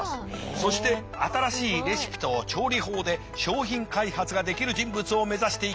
そして新しいレシピと調理法で食品開発ができる人物を目指していきます。